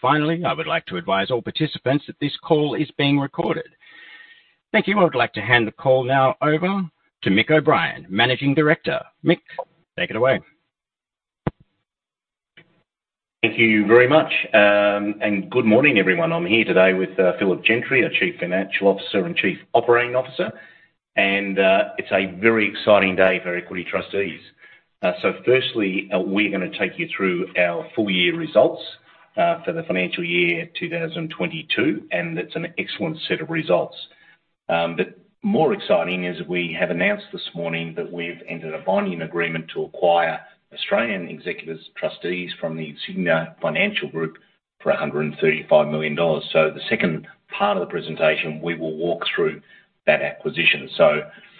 Finally, I would like to advise all participants that this call is being recorded. Thank you. I would like to hand the call now over to Mick O'Brien, Managing Director. Mick, take it away. Thank you very much. Good morning, everyone. I'm here today with Philip Gentry, our Chief Financial Officer and Chief Operating Officer. It's a very exciting day for Equity Trustees. Firstly, we're gonna take you through our full year results for the financial year 2022, and it's an excellent set of results. More exciting is we have announced this morning that we've entered a binding agreement to acquire Australian Executor Trustees from the Insignia Financial Group for 135 million dollars. The second part of the presentation, we will walk through that acquisition.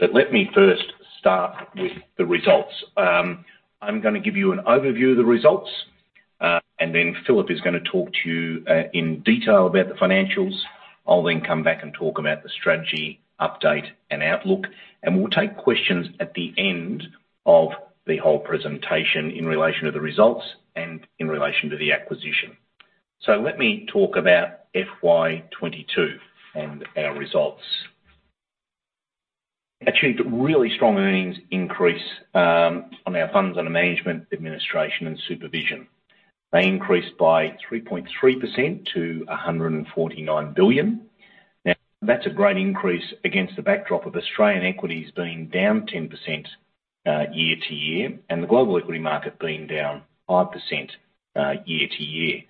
Let me first start with the results. I'm gonna give you an overview of the results, and then Philip is gonna talk to you in detail about the financials. I'll then come back and talk about the strategy update and outlook, and we'll take questions at the end of the whole presentation in relation to the results and in relation to the acquisition. Let me talk about fiscal year 2022 and our results. Achieved a really strong earnings increase on our funds under management, administration, and supervision. They increased by 3.3% to 149 billion. Now, that's a great increase against the backdrop of Australian equities being down 10% year-to-year and the global equity market being down 5% year-to-year.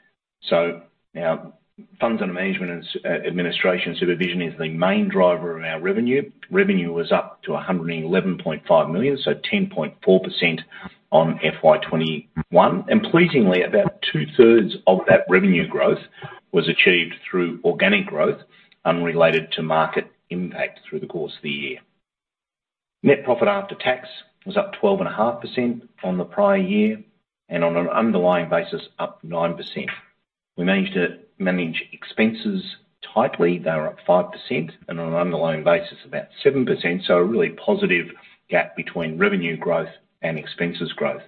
Our funds under management, administration, and supervision is the main driver of our revenue. Revenue was up to 111.5 million, so 10.4% on fiscal year 2021. Pleasingly, about two-thirds of that revenue growth was achieved through organic growth unrelated to market impact through the course of the year. Net profit after tax was up 12.5% from the prior year, and on an underlying basis, up 9%. We managed to manage expenses tightly. They were up 5%, and on an underlying basis, about 7%, so a really positive gap between revenue growth and expenses growth.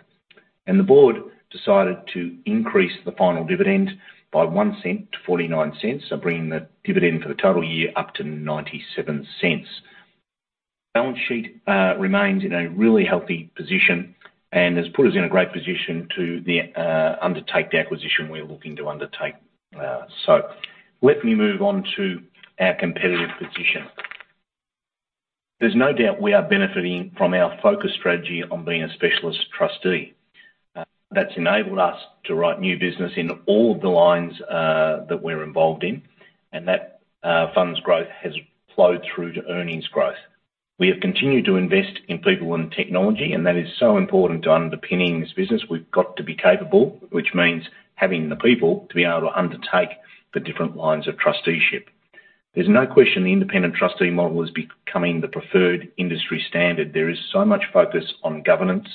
The board decided to increase the final dividend by 0.01 to 0.49, so bringing the dividend for the total year up to 0.97. Balance sheet remains in a really healthy position and has put us in a great position to undertake the acquisition we're looking to undertake. Let me move on to our competitive position. There's no doubt we are benefiting from our focus strategy on being a specialist trustee. That's enabled us to write new business in all of the lines that we're involved in, and that fund's growth has flowed through to earnings growth. We have continued to invest in people and technology, and that is so important to underpinning this business. We've got to be capable, which means having the people to be able to undertake the different lines of trusteeship. There's no question the independent trustee model is becoming the preferred industry standard. There is so much focus on governance,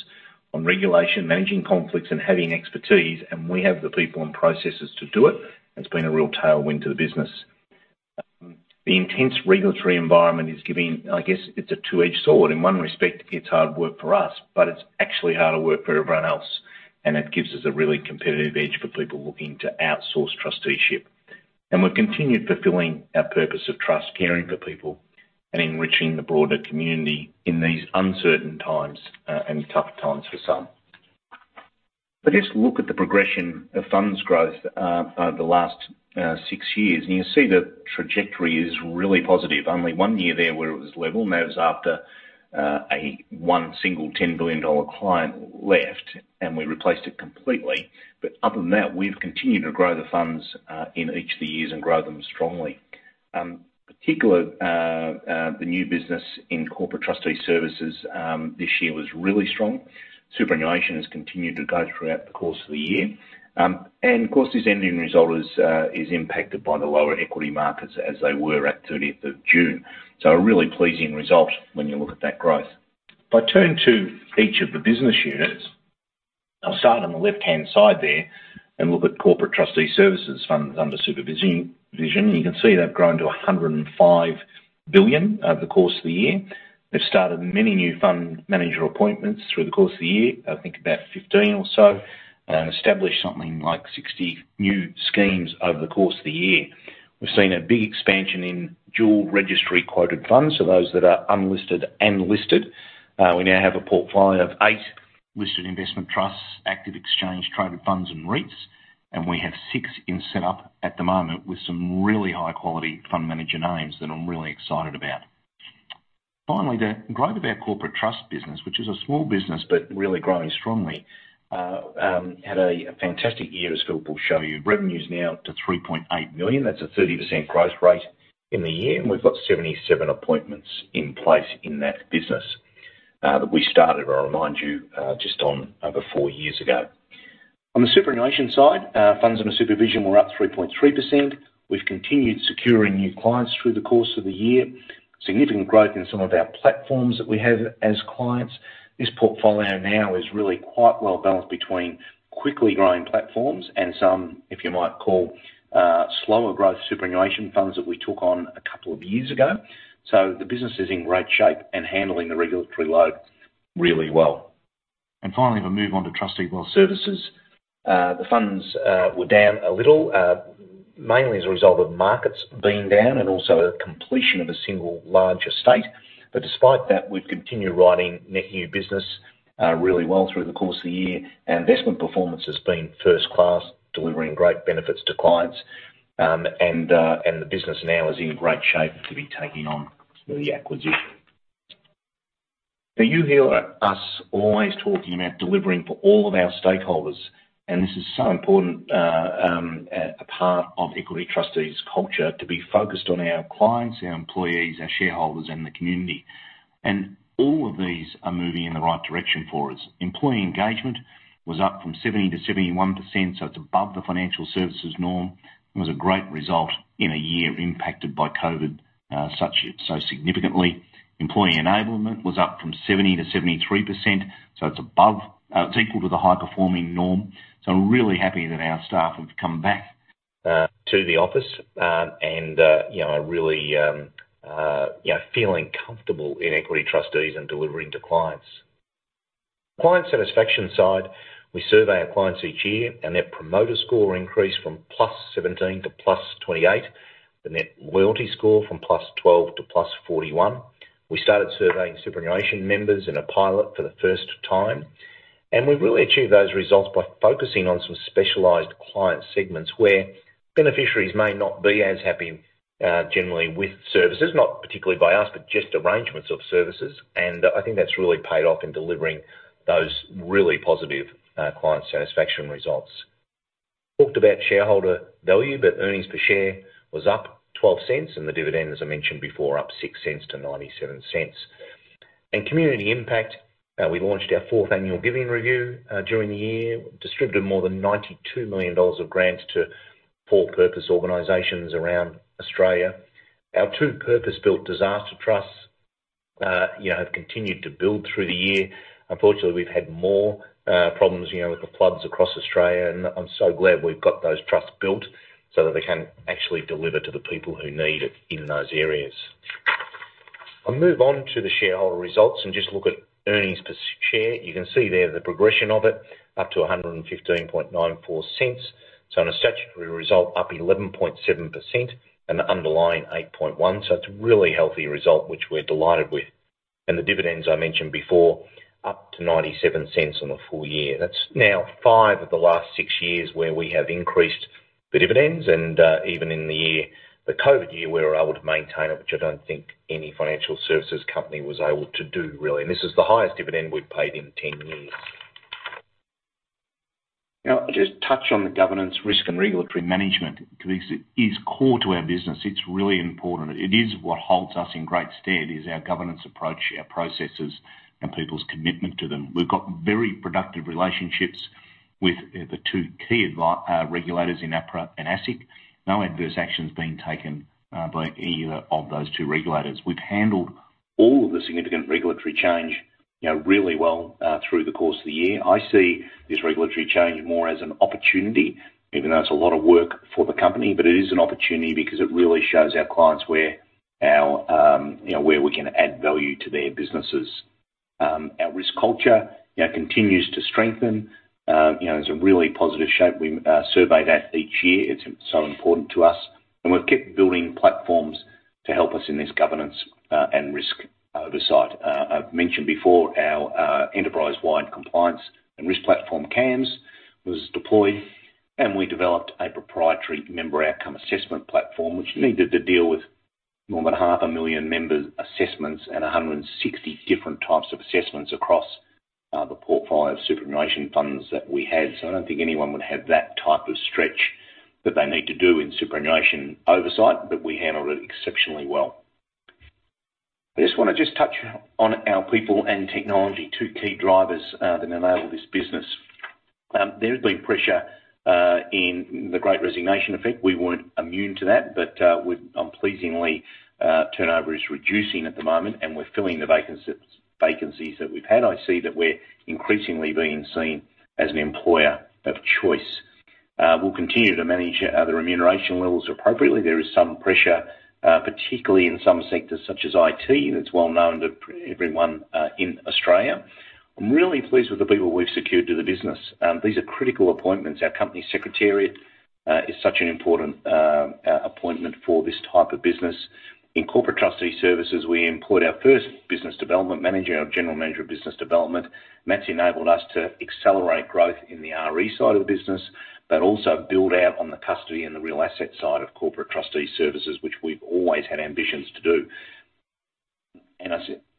on regulation, managing conflicts, and having expertise, and we have the people and processes to do it. It's been a real tailwind to the business. The intense regulatory environment is giving. I guess it's a two-edged sword. In one respect, it's hard work for us, but it's actually harder work for everyone else, and it gives us a really competitive edge for people looking to outsource trusteeship. We've continued fulfilling our purpose of trust, caring for people, and enriching the broader community in these uncertain times, and tough times for some. Just look at the progression of funds growth over the last six years, and you see the trajectory is really positive. Only one year there where it was level, and that was after a one single 10 billion dollar client left, and we replaced it completely. Other than that, we've continued to grow the funds in each of the years and grow them strongly. Particularly, the new business in Corporate Trustee Services this year was really strong. Superannuation has continued to grow throughout the course of the year. Of course, this ending result is impacted by the lower equity markets as they were at 30 June 2022. A really pleasing result when you look at that growth. If I turn to each of the business units, I'll start on the left-hand side there and look at Corporate Trustee Services funds under supervision. You can see they've grown to 105 billion over the course of the year. They've started many new fund manager appointments through the course of the year, I think about 15 or so, and established something like 60 new schemes over the course of the year. We've seen a big expansion in dual registry quoted funds, so those that are unlisted and listed. We now have a portfolio of eight listed investment trusts, active exchange-traded funds, and REITs, and we have six in setup at the moment with some really high-quality fund manager names that I'm really excited about. Finally, the growth of our corporate trust business, which is a small business, but really growing strongly, had a fantastic year, as Philip will show you. Revenue's now up to 3.8 million. That's a 30% growth rate in the year, and we've got 77 appointments in place in that business, that we started, I'll remind you, just over four years ago. On the superannuation side, funds under supervision were up 3.3%. We've continued securing new clients through the course of the year. Significant growth in some of our platforms that we have as clients. This portfolio now is really quite well-balanced between quickly growing platforms and some, if you might call, slower growth superannuation funds that we took on a couple of years ago. The business is in great shape and handling the regulatory load really well. Finally, if I move on to Trustee & Wealth Services, the funds were down a little, mainly as a result of markets being down and also a completion of a single large estate. Despite that, we've continued writing net new business, really well through the course of the year. Investment performance has been first class, delivering great benefits to clients. The business now is in great shape to be taking on the acquisition. Now, you hear us always talking about delivering for all of our stakeholders, and this is so important, a part of Equity Trustees' culture to be focused on our clients, our employees, our shareholders, and the community. All of these are moving in the right direction for us. Employee engagement was up from 70% to 71%, so it's above the financial services norm. It was a great result in a year impacted by COVID so significantly. Employee enablement was up from 70% to 73%, so it's above. It's equal to the high-performing norm. I'm really happy that our staff have come back to the office, and you know are really you know feeling comfortable in Equity Trustees and delivering to clients. Client satisfaction side, we survey our clients each year, and their promoter score increased from +17 to +28. The net loyalty score from +12 to +41. We started surveying superannuation members in a pilot for the first time. We've really achieved those results by focusing on some specialized client segments where beneficiaries may not be as happy, generally with services, not particularly by us, but just arrangements of services. I think that's really paid off in delivering those really positive, client satisfaction results. Talked about shareholder value, but earnings per share was up 0.12, and the dividend, as I mentioned before, up 0.06 to 0.97. In community impact, we launched our fourth annual giving review, during the year, distributed more than 92 million dollars of grants to for-purpose organizations around Australia. Our two purpose-built disaster trusts, you know, have continued to build through the year. Unfortunately, we've had more problems, you know, with the floods across Australia, and I'm so glad we've got those trusts built so that they can actually deliver to the people who need it in those areas. I'll move on to the shareholder results and just look at earnings per share. You can see there the progression of it, up to 1.1594. So, on a statutory result, up 11.7% and underlying 8.1%. So, it's a really healthy result, which we're delighted with. The dividends I mentioned before, up to 0.97 on the full year. That's now five of the last six years where we have increased the dividends. Even in the year, the COVID year, we were able to maintain it, which I don't think any financial services company was able to do, really. This is the highest dividend we've paid in ten years. Now, I'll just touch on the governance, risk, and regulatory management. This is core to our business. It's really important. It is what holds us in great stead, is our governance approach, our processes, and people's commitment to them. We've got very productive relationships with the two key regulators in APRA and ASIC. No adverse action is being taken by either of those two regulators. We've handled all of the significant regulatory change, you know, really well, through the course of the year. I see this regulatory change more as an opportunity, even though it's a lot of work for the company, but it is an opportunity because it really shows our clients where we can add value to their businesses. Our risk culture, you know, continues to strengthen, you know, in some really positive shape. We survey that each year. It's so important to us, and we've kept building platforms to help us in this governance, and risk oversight. I've mentioned before our, enterprise-wide compliance and risk platform, CAMS, was deployed, and we developed a proprietary member outcome assessment platform, which needed to deal with more than 500,000 member assessments and 160 different types of assessments across, the portfolio of superannuation funds that we had. I don't think anyone would have that type of stretch that they need to do in superannuation oversight, but we handled it exceptionally well. I just wanna touch on our people and technology, two key drivers, that enable this business. There has been pressure in the great resignation effect. We weren't immune to that, but we're pleasingly, turnover is reducing at the moment, and we're filling the vacancies that we've had. I see that we're increasingly being seen as an employer of choice. We'll continue to manage the remuneration levels appropriately. There is some pressure, particularly in some sectors such as IT, and it's well-known to everyone in Australia. I'm really pleased with the people we've secured to the business. These are critical appointments. Our company secretariat is such an important appointment for this type of business. In Corporate Trustee Services, we employed our first business development manager, our general manager of business development. That's enabled us to accelerate growth in the RE side of the business, but also build out on the custody and the real asset side of Corporate Trustee Services, which we've always had ambitions to do. As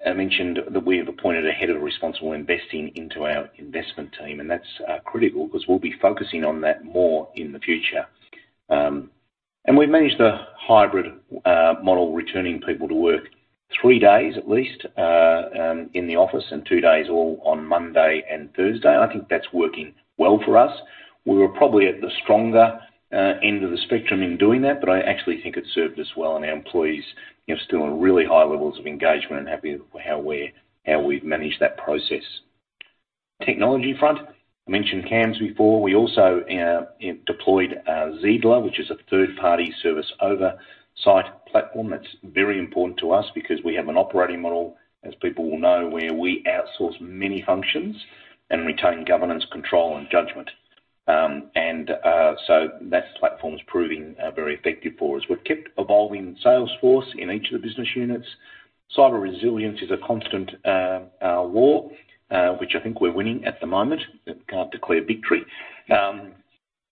I mentioned that we have appointed a head of responsible investing into our investment team, and that's critical 'cause we'll be focusing on that more in the future. We've managed the hybrid model, returning people to work three days at least in the office and two days all on Monday and Thursday. I think that's working well for us. We were probably at the stronger end of the spectrum in doing that, but I actually think it served us well, and our employees, you know, are still on really high levels of engagement and happy with how we've managed that process. Technology front. I mentioned CAMS before. We also deployed Xedla, which is a third-party service oversight platform that's very important to us because we have an operating model, as people will know, where we outsource many functions and retain governance, control, and judgment. That platform is proving very effective for us. We've kept evolving Salesforce in each of the business units. Cyber resilience is a constant war, which I think we're winning at the moment, but can't declare victory. We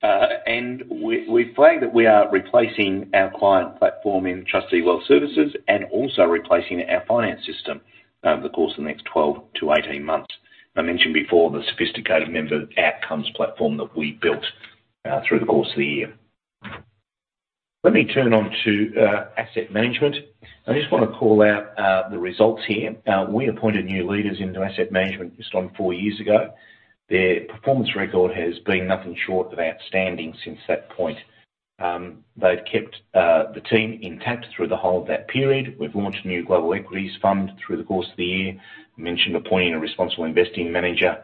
find that we are replacing our client platform in Trustee & Wealth Services and also replacing our finance system over the course of the next 12 to 18 months. I mentioned before the sophisticated member outcomes platform that we built through the course of the year. Let me turn to asset management. I just want to call out the results here. We appointed new leaders into asset management just on four years ago. Their performance record has been nothing short of outstanding since that point. They've kept the team intact through the whole of that period. We've launched a new global equities fund through the course of the year. I mentioned appointing a responsible investing manager.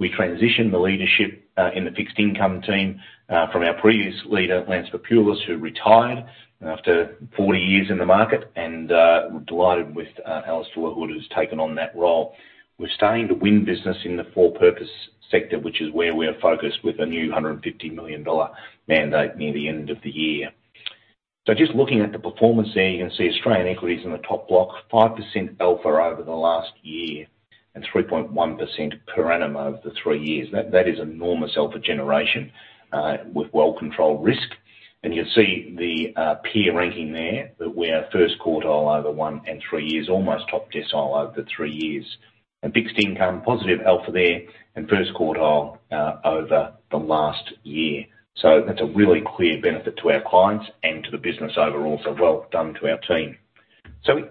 We transitioned the leadership in the fixed income team from our previous leader, Lance Pupelis, who retired after 40 years in the market, and we're delighted with Alice Stewart, who has taken on that role. We're starting to win business in the for-purpose sector, which is where we are focused with a new 150 million dollar mandate near the end of the year. Just looking at the performance there, you can see Australian equities in the top block, 5% alpha over the last year and 3.1% per annum over the three years. That is enormous alpha generation with well-controlled risk. You'll see the peer ranking there, that we are first quartile over one and three years, almost top decile over three years. In fixed income, positive alpha there and first quartile over the last year. That's a really clear benefit to our clients and to the business overall, so well done to our team.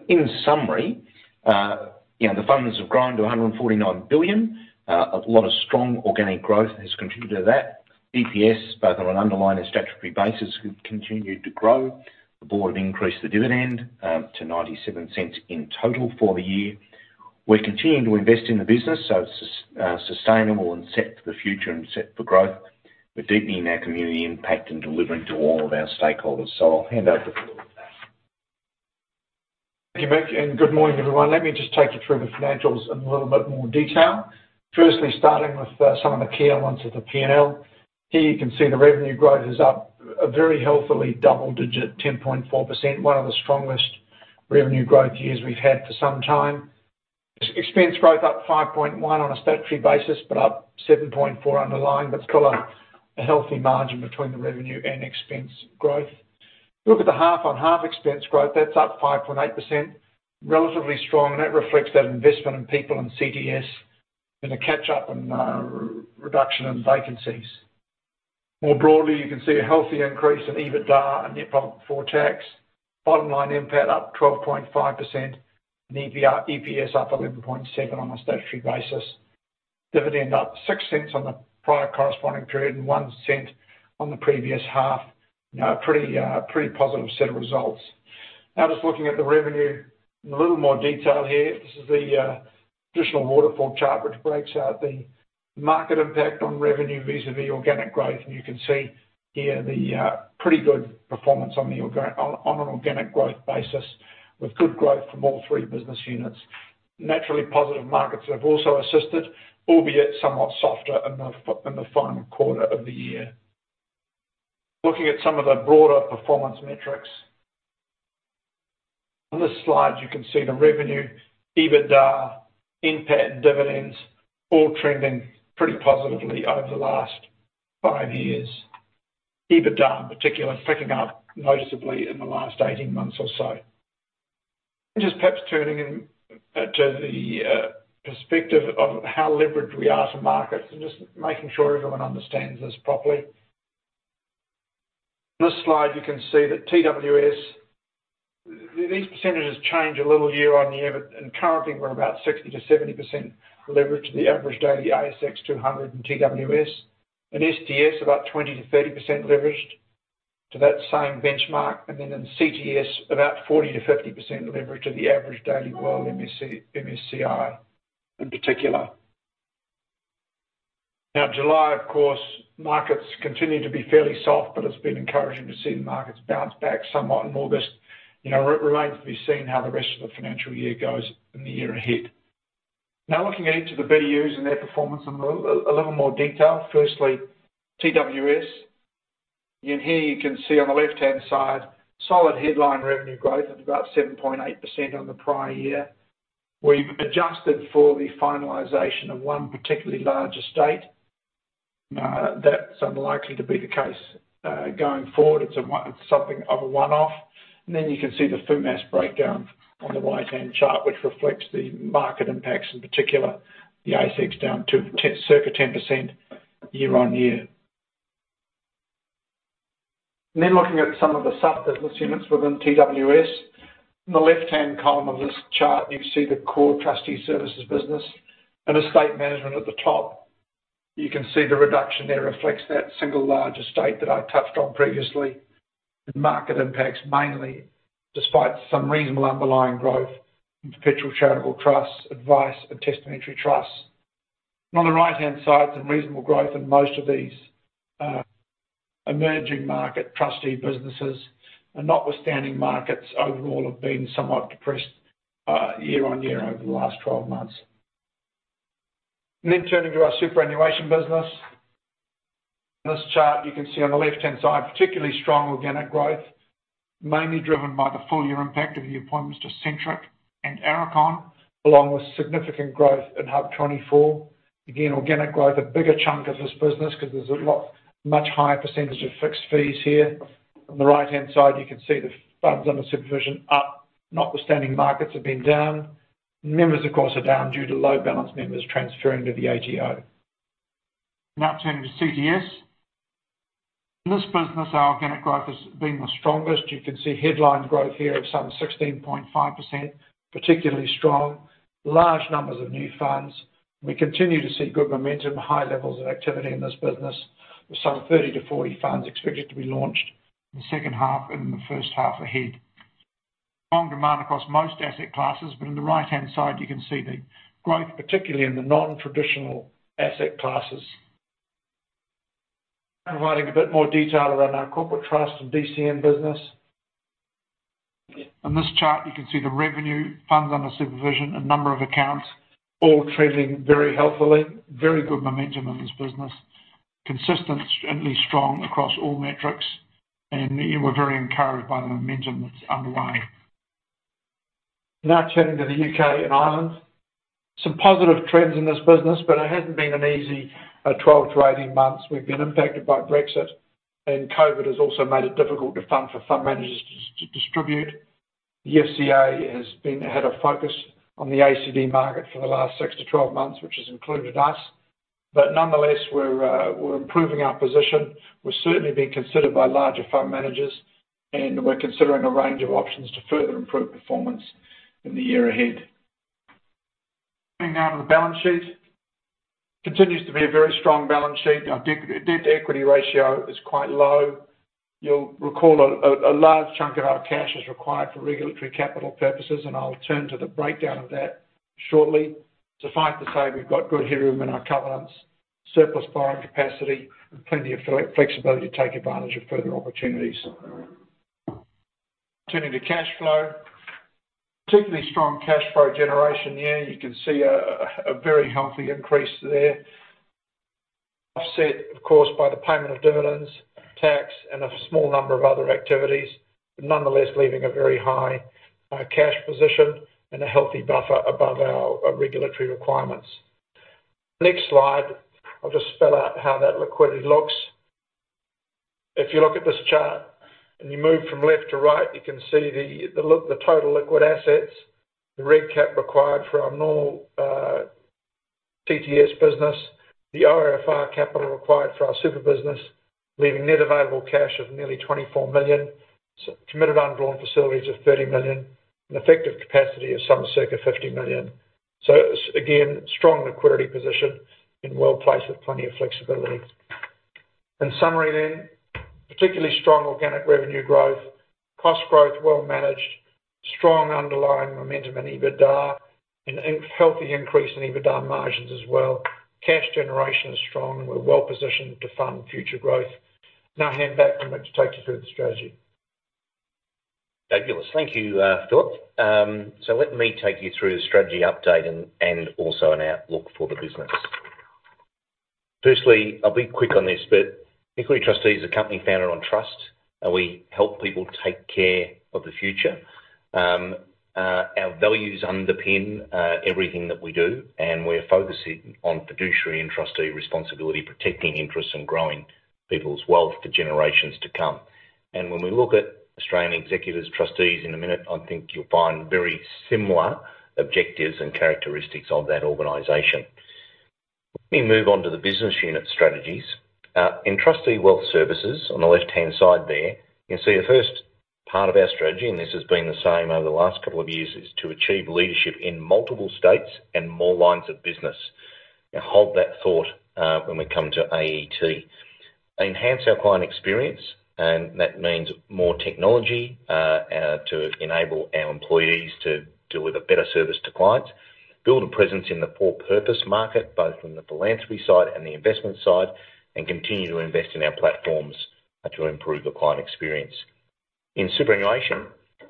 In summary, you know, the funds have grown to 149 billion. A lot of strong organic growth has contributed to that. EPS, both on an underlying and statutory basis, have continued to grow. The board have increased the dividend to 0.97 in total for the year. We're continuing to invest in the business, so it's sustainable and set for the future and set for growth. We're deepening our community impact and delivering to all of our stakeholders. I'll hand over to Philip now. Thank you, Mick, and good morning, everyone. Let me just take you through the financials in a little bit more detail. Firstly, starting with some of the key elements of the P&L. Here you can see the revenue growth is up a very healthily double-digit 10.4%, one of the strongest revenue growth years we've had for some time. Expense growth up 5.1% on a statutory basis, but up 7.4% underlying. That's still a healthy margin between the revenue and expense growth. If you look at the half-on-half expense growth, that's up 5.8%, relatively strong, and that reflects that investment in people and CTS and a catch-up and reduction in vacancies. More broadly, you can see a healthy increase in EBITDA and net profit before tax. Bottom line NPAT up 12.5% and EPS up 11.7% on a statutory basis. Dividend up 0.06 on the prior corresponding period and 0.01 on the previous half. You know a pretty positive set of results. Now, just looking at the revenue in a little more detail here. This is the traditional waterfall chart which breaks out the market impact on revenue vis-à-vis organic growth. You can see here the pretty good performance on an organic growth basis with good growth from all three business units. Naturally positive markets have also assisted, albeit somewhat softer in the final quarter of the year. Looking at some of the broader performance metrics. On this slide, you can see the revenue, EBITDA, NPAT, and dividends all trending pretty positively over the last five years. EBITDA, in particular, picking up noticeably in the last 18 months or so. Just perhaps turning into the perspective of how leveraged we are to markets and just making sure everyone understands this properly. On this slide, you can see that TWS. These percentages change a little year-on-year, but currently we're about 60% to 70% leveraged to the average daily ASX 200 in TWS. In STS, about 20% to 30% leveraged to that same benchmark. Then in CTS, about 40% to 50% leverage of the average daily global MSCI in particular. Now, July, of course, markets continued to be fairly soft, but it's been encouraging to see the markets bounce back somewhat in August. Remains to be seen how the rest of the financial year goes in the year ahead. Now, looking into the BUs and their performance in a little more detail. Firstly, TWS. In here you can see on the left-hand side, solid headline revenue growth of about 7.8% on the prior year. We've adjusted for the finalization of one particularly large estate. That's unlikely to be the case going forward. It's something of a one-off. Then you can see the FUMAS breakdown on the right-hand chart, which reflects the market impacts, in particular, the ASX down ten, circa 10% year-on-year. Then looking at some of the sub-business units within TWS. In the left-hand column of this chart, you see the core trustee services business and estate management at the top. You can see the reduction there reflects that single large estate that I touched on previously. The market impacts mainly, despite some reasonable underlying growth in perpetual charitable trusts, advice and testamentary trusts. On the right-hand side, some reasonable growth in most of these emerging market trustee businesses. Notwithstanding, markets overall have been somewhat depressed year-on-year over the last 12 months. Turning to our superannuation business. In this chart, you can see on the left-hand side, particularly strong organic growth, mainly driven by the full-year impact of the appointments to Centuria and Icon, along with significant growth in HUB24. Again, organic growth, a bigger chunk of this business because there's much higher percentage of fixed fees here. On the right-hand side, you can see the funds under supervision are up, notwithstanding markets have been down. Members, of course, are down due to low balance members transferring to the ATO. Now turning to CTS. In this business, our organic growth has been the strongest. You can see headline growth here of some 16.5%, particularly strong, large numbers of new funds. We continue to see good momentum, high levels of activity in this business, with some 30 to 40 funds expected to be launched in the second half and in the first half ahead. Strong demand across most asset classes, but on the right-hand side, you can see the growth, particularly in the non-traditional asset classes. Providing a bit more detail around our corporate trust and DCM business. In this chart, you can see the revenue, funds under supervision, and number of accounts all trending very healthily. Very good momentum in this business. Consistently strong across all metrics, and we're very encouraged by the momentum that's underway. Now turning to the UK and Ireland. Some positive trends in this business, but it hasn't been an easy 12 to 18 months. We've been impacted by Brexit, and COVID has also made it difficult to fundraise for fund managers to distribute. The FCA has had a focus on the ACD market for the last 6 to 12 months, which has included us. But nonetheless, we're improving our position. We're certainly being considered by larger fund managers, and we're considering a range of options to further improve performance in the year ahead. Moving on to the balance sheet. Continues to be a very strong balance sheet. Our debt-to-equity ratio is quite low. You'll recall a large chunk of our cash is required for regulatory capital purposes, and I'll turn to the breakdown of that shortly. Suffice to say, we've got good headroom in our covenants, surplus borrowing capacity, and plenty of flexibility to take advantage of further opportunities. Turning to cash flow. Particularly strong cash flow generation year. You can see a very healthy increase there. Offset, of course, by the payment of dividends, tax, and a small number of other activities, but nonetheless, leaving a very high cash position and a healthy buffer above our regulatory requirements. Next slide, I'll just spell out how that liquidity looks. If you look at this chart and you move from left to right, you can see the total liquid assets, the reg cap required for our normal CTS business, the ORFR capital required for our super business, leaving net available cash of nearly 24 million, committed undrawn facilities of 30 million, and effective capacity of some circa 50 million. Again, strong liquidity position and well-placed with plenty of flexibility. In summary, particularly strong organic revenue growth, cost growth well managed, strong underlying momentum and EBITDA, and a healthy increase in EBITDA margins as well. Cash generation is strong, and we're well-positioned to fund future growth. Now I hand back to Mick to take you through the strategy. Fabulous. Thank you, Philip. So let me take you through the strategy update and also an outlook for the business. Firstly, I'll be quick on this, but Equity Trustees, a company founded on trust, and we help people take care of the future. Our values underpin everything that we do, and we're focusing on fiduciary and trustee responsibility, protecting interests, and growing people's wealth for generations to come. When we look at Australian Executor Trustees in a minute, I think you'll find very similar objectives and characteristics of that organization. Let me move on to the business unit strategies. In Trustee & Wealth Services on the left-hand side there, you can see the first part of our strategy, and this has been the same over the last couple of years, is to achieve leadership in multiple states and more lines of business. Now, hold that thought, when we come to AET. Enhance our client experience, and that means more technology, to enable our employees to deliver better service to clients. Build a presence in the for-purpose market, both from the philanthropy side and the investment side, and continue to invest in our platforms, to improve the client experience. In superannuation,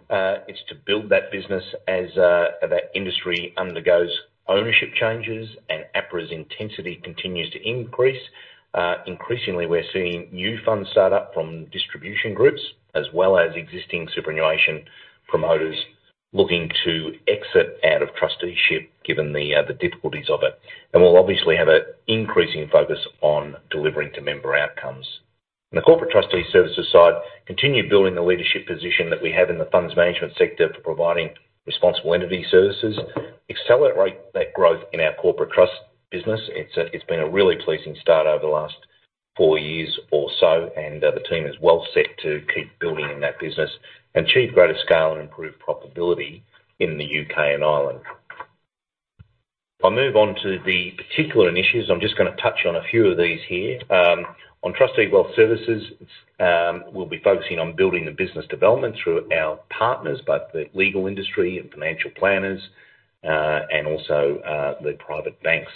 it's to build that business as that industry undergoes ownership changes and APRA's intensity continues to increase. Increasingly, we're seeing new funds start up from distribution groups, as well as existing superannuation promoters looking to exit out of trusteeship, given the difficulties of it. We'll obviously have an increasing focus on delivering to member outcomes. On the Corporate Trustee Services side, continue building the leadership position that we have in the funds management sector for providing responsible entity services. Accelerate that growth in our corporate trust business. It's been a really pleasing start over the last four years or so, and the team is well set to keep building in that business. Achieve greater scale and improve profitability in the UK and Ireland. I'll move on to the particular initiatives. I'm just gonna touch on a few of these here. On Trustee & Wealth Services, we'll be focusing on building the business development through our partners, both the legal industry and financial planners, and also the private banks.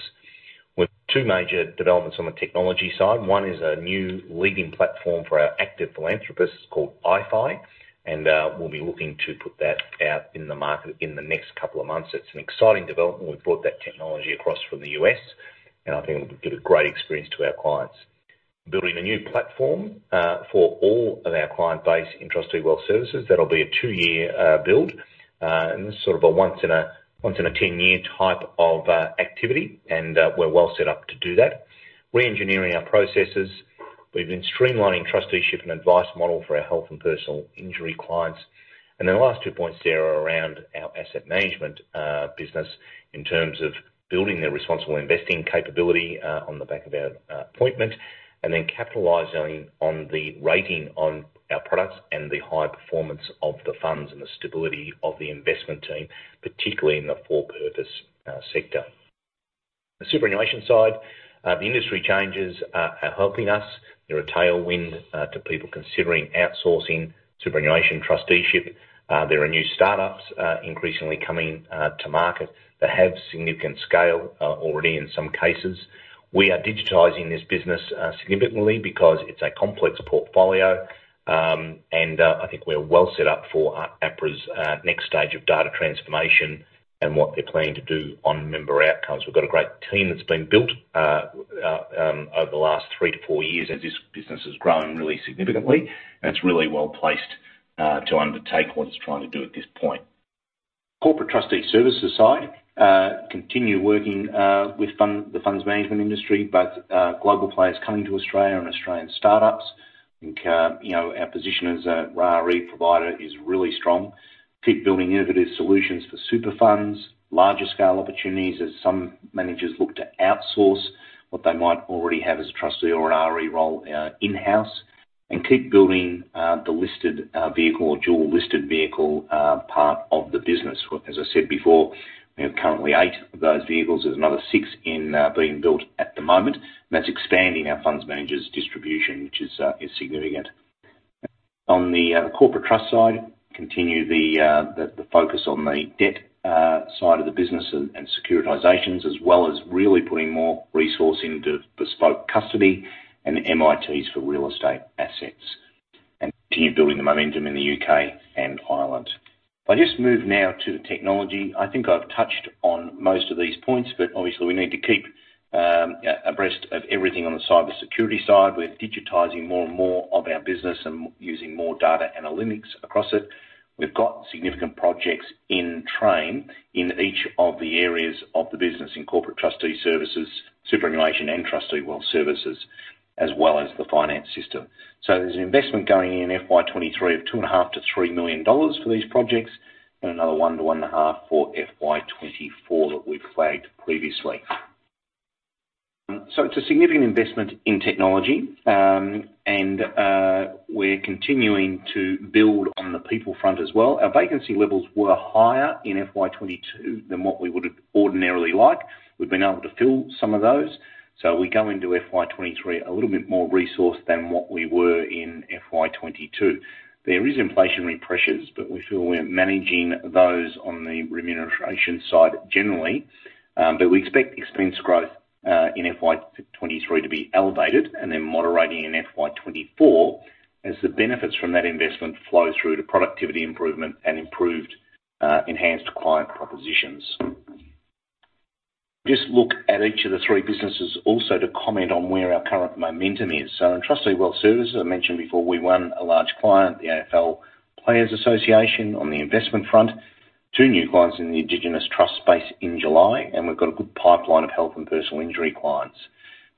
With two major developments on the technology side, one is a new leading platform for our active philanthropists called iPhilanthropist, and we'll be looking to put that out in the market in the next couple of months. It's an exciting development. We've brought that technology across from the US, and I think it'll give a great experience to our clients. Building a new platform for all of our client base in Trustee & Wealth Services. That'll be a two-year build, and this is sort of a once in a 10-year type of activity, and we're well set up to do that. Re-engineering our processes. We've been streamlining trusteeship and advice model for our health and personal injury clients. Then the last two points there are around our asset management business in terms of building their responsible investing capability on the back of our appointment and then capitalizing on the rating on our products and the high performance of the funds and the stability of the investment team, particularly in the for-purpose sector. The superannuation side, the industry changes are helping us. They're a tailwind to people considering outsourcing superannuation trusteeship. There are new startups increasingly coming to market that have significant scale already in some cases. We are digitizing this business significantly because it's a complex portfolio. I think we're well set up for APRA's next stage of data transformation and what they're planning to do on member outcomes. We've got a great team that's been built over the last three to four years as this business has grown really significantly and it's really well placed to undertake what it's trying to do at this point. Corporate Trustee Services side continue working with the funds management industry, both global players coming to Australia and Australian startups. You know, our position as a RE provider is really strong. Keep building innovative solutions for super funds, larger scale opportunities as some managers look to outsource what they might already have as a trustee or an RE role, in-house, and keep building the listed vehicle or dual listed vehicle part of the business. As I said before, we have currently eight of those vehicles. There's another six being built at the moment, and that's expanding our fund managers distribution, which is significant. On the corporate trust side, continue the focus on the debt side of the business and securitizations, as well as really putting more resource into bespoke custody and MITs for real estate assets, and continue building the momentum in the UK and Ireland. If I just move now to the technology, I think I've touched on most of these points, but obviously we need to keep abreast of everything on the cybersecurity side. We're digitizing more and more of our business and using more data analytics across it. We've got significant projects in train in each of the areas of the business in Corporate Trustee Services, superannuation, and Trustee & Wealth Services, as well as the finance system. There's an investment going in fiscal year 2023 of 2.5 to 3 million for these projects, and another 1 to 1.5 million for fiscal year 2024 that we've flagged previously. It's a significant investment in technology, and we're continuing to build on the people front as well. Our vacancy levels were higher in fiscal year 2022 than what we would ordinarily like. We've been able to fill some of those. We go into fiscal year 2023 a little bit more resourced than what we were in fiscal year 2022. There is inflationary pressures, but we feel we're managing those on the remuneration side generally. We expect expense growth in fiscal year 2023 to be elevated and then moderating in fiscal year 2024 as the benefits from that investment flow through to productivity improvement and improved enhanced client propositions. Just look at each of the three businesses also to comment on where our current momentum is. In Trustee & Wealth Services, I mentioned before we won a large client, the AFL Players Association, on the investment front. Two new clients in the indigenous trust space in July, and we've got a good pipeline of health and personal injury clients.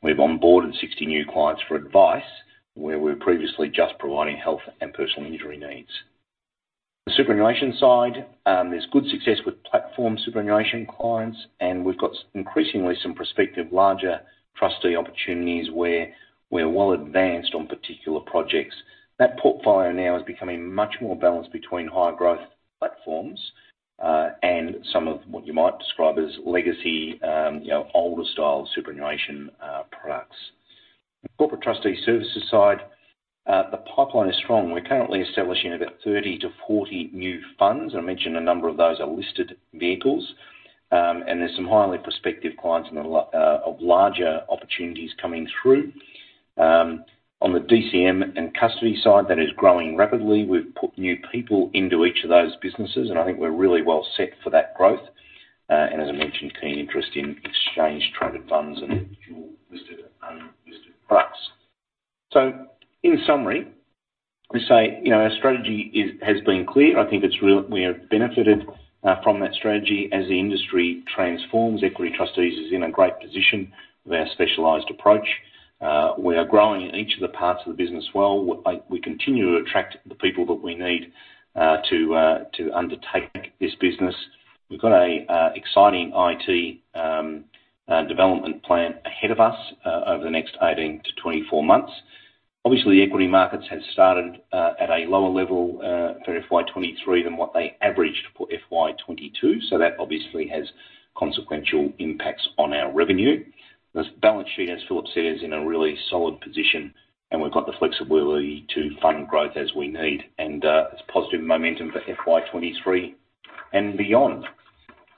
We've onboarded 60 new clients for advice where we're previously just providing health and personal injury needs. The superannuation side, there's good success with platform superannuation clients, and we've got increasingly some prospective larger trustee opportunities where we're well advanced on particular projects. That portfolio now is becoming much more balanced between high growth platforms, and some of what you might describe as legacy, you know, older style superannuation products. The Corporate Trustee Services side, the pipeline is strong. We're currently establishing about 30 to 40 new funds, and I mentioned a number of those are listed vehicles. There's some highly prospective clients and a lot of larger opportunities coming through. On the DCM and custody side, that is growing rapidly. We've put new people into each of those businesses, and I think we're really well set for that growth. As I mentioned, keen interest in exchange traded funds and dual listed and unlisted products. In summary, we say, you know, our strategy is, has been clear. I think it's real. We have benefited from that strategy. As the industry transforms, Equity Trustees is in a great position with our specialized approach. We are growing in each of the parts of the business well. We continue to attract the people that we need to undertake this business. We've got a exciting IT development plan ahead of us over the next 18 to 24 months. Equity markets have started at a lower level for fiscal year 2023 than what they averaged for fiscal year 2022. That obviously has consequential impacts on our revenue. The balance sheet, as Philip said, is in a really solid position and we've got the flexibility to fund growth as we need, and it's positive momentum for fiscal year 2023 and beyond.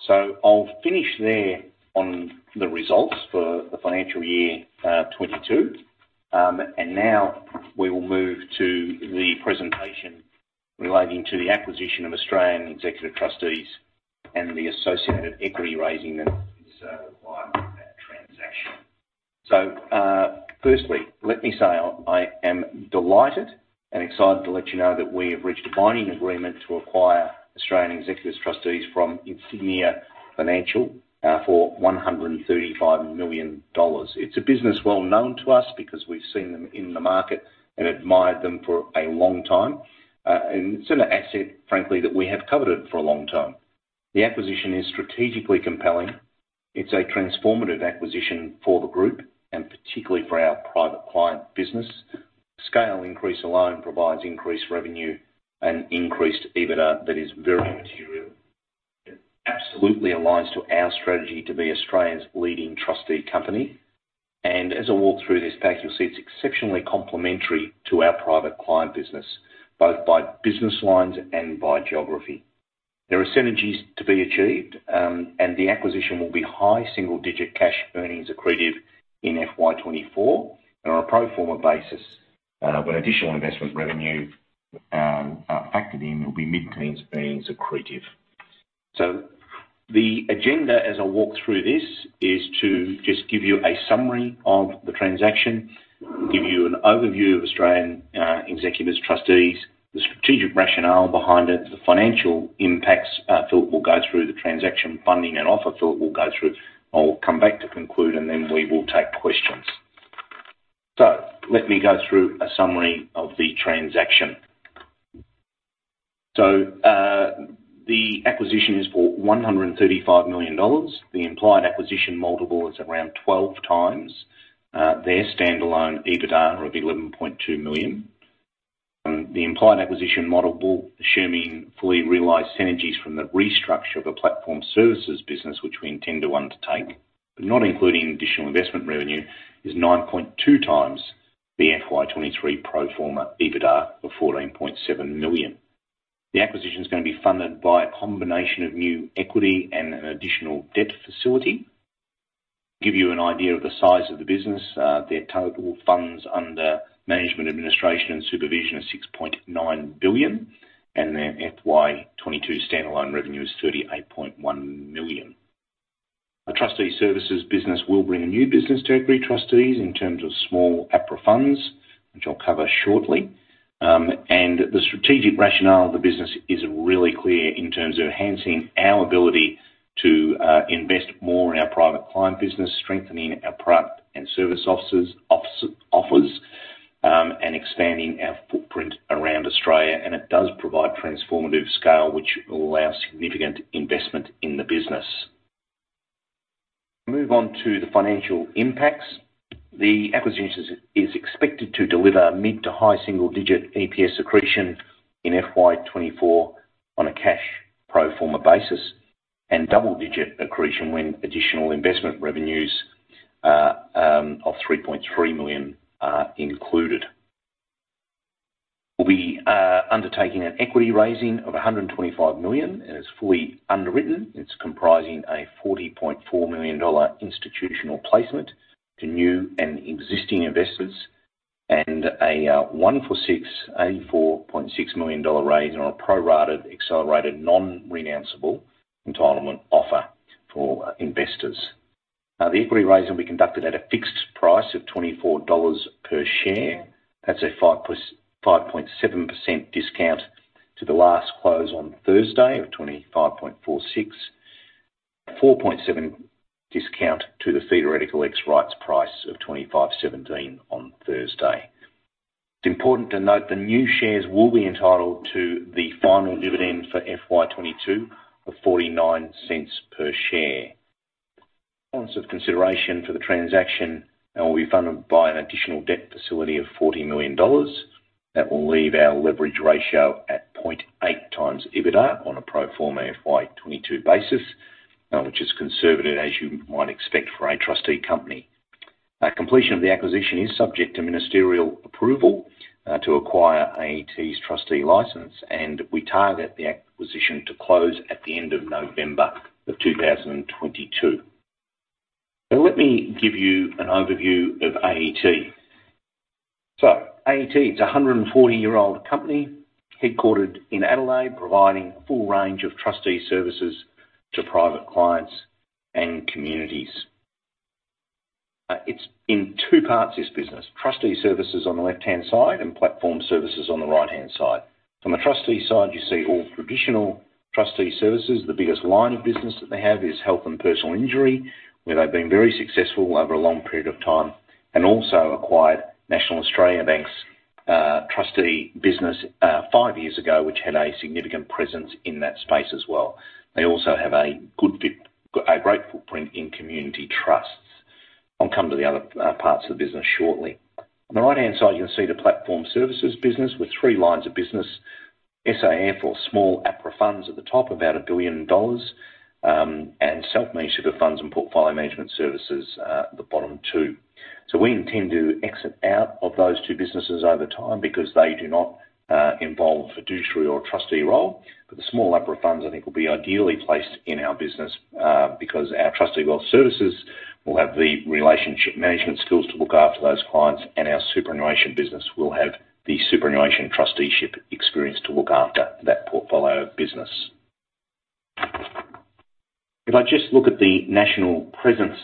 I'll finish there on the results for the financial year 2022. Now we will move to the presentation relating to the acquisition of Australian Executor Trustees and the associated equity raising that is required for that transaction. Firstly, let me say, I am delighted and excited to let you know that we have reached a binding agreement to acquire Australian Executor Trustees from Insignia Financial for 135 million dollars. It's a business well-known to us because we've seen them in the market and admired them for a long time. It's an asset, frankly, that we have coveted for a long time. The acquisition is strategically compelling. It's a transformative acquisition for the group, and particularly for our private client business. Scale increase alone provides increased revenue and increased EBITDA that is very material. It absolutely aligns to our strategy to be Australia's leading trustee company. As I walk through this pack, you'll see it's exceptionally complementary to our private client business, both by business lines and by geography. There are synergies to be achieved, and the acquisition will be high single-digit cash earnings accretive in fiscal year 2024. On a pro forma basis, with additional investment revenue factored in, it will be mid-teens earnings accretive. The agenda as I walk through this is to just give you a summary of the transaction, give you an overview of Australian Executor Trustees, the strategic rationale behind it, the financial impacts, Phil will go through the transaction funding and offering. I'll come back to conclude, and then we will take questions. Let me go through a summary of the transaction. The acquisition is for 135 million dollars. The implied acquisition multiple is around 12x their standalone EBITDA of 11.2 million. The implied acquisition multiple, assuming fully realized synergies from the restructure of the platform services business, which we intend to undertake. Not including additional investment revenue, is 9.2x the fiscal year 2023 pro forma EBITDA of 14.7 million. The acquisition is gonna be funded by a combination of new equity and an additional debt facility. Give you an idea of the size of the business, their total funds under management, administration, and supervision is 6.9 billion, and their fiscal year 2022 standalone revenue is 38.1 million. A trustee services business will bring a new business territory trustees in terms of Small APRA Funds, which I'll cover shortly. The strategic rationale of the business is really clear in terms of enhancing our ability to invest more in our private client business, strengthening our product and service offers, and expanding our footprint around Australia. It does provide transformative scale, which will allow significant investment in the business. Move on to the financial impacts. The acquisition is expected to deliver mid to high single digit EPS accretion in fiscal year 2024 on a cash pro forma basis and double-digit accretion when additional investment revenues of 3.3 million are included. We are undertaking an equity raising of 125 million, and it's fully underwritten. It's comprising a 40.4 million dollar institutional placement to new and existing investors and a one for six AUD 84.6 million raise on a pro-rated, accelerated, non-renounceable entitlement offer for investors. Now, the equity raise will be conducted at a fixed price of 24 dollars per share. That's a 5.7% discount to the last close on Thursday of 25.46. 4.7% discount to the theoretical ex-rights price of 25.17 on Thursday. It's important to note the new shares will be entitled to the final dividend for fiscal year 2022 of 0.49 per share. Balance of consideration for the transaction will be funded by an additional debt facility of 40 million dollars. That will leave our leverage ratio at 0.8x EBITDA on a pro forma fiscal year 2022 basis, which is conservative, as you might expect for a trustee company. Completion of the acquisition is subject to ministerial approval to acquire AET's trustee license, and we target the acquisition to close at the end of November 2022. Now, let me give you an overview of AET. AET is a 140-year-old company headquartered in Adelaide, providing a full range of trustee services to private clients and communities. It's in two parts, this business. Trustee services on the left-hand side and platform services on the right-hand side. From the trustee side, you see all traditional trustee services. The biggest line of business that they have is health and personal injury, where they've been very successful over a long period of time, and also acquired National Australia Bank's trustee business five years ago, which had a significant presence in that space as well. They also have a great footprint in community trusts. I'll come to the other parts of the business shortly. On the right-hand side, you can see the platform services business with three lines of business, SAF or Small APRA Funds at the top, about 1 billion dollars, and Self-Managed Super Funds and portfolio management services at the bottom two. We intend to exit out of those two businesses over time because they do not involve fiduciary or trustee role. The Small APRA Funds, I think, will be ideally placed in our business because our Trustee Wealth Services will have the relationship management skills to look after those clients, and our superannuation business will have the superannuation trusteeship experience to look after that portfolio business. If I just look at the national presence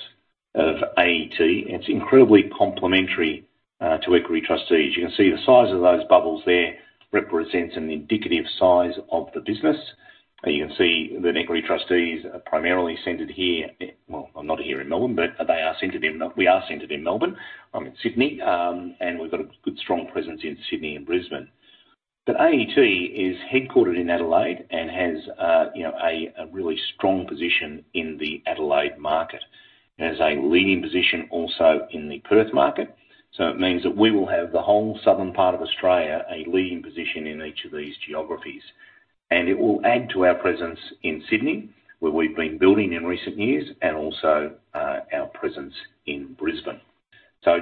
of AET, it's incredibly complementary to Equity Trustees. You can see the size of those bubbles there represents an indicative size of the business. You can see that Equity Trustees are primarily centered here. Well, not here in Melbourne, but we are centered in Melbourne, in Sydney. We've got a good strong presence in Sydney and Brisbane. AET is headquartered in Adelaide and has, you know, a really strong position in the Adelaide market. It has a leading position also in the Perth market, so it means that we will have the whole southern part of Australia, a leading position in each of these geographies. It will add to our presence in Sydney, where we've been building in recent years, and also, our presence in Brisbane.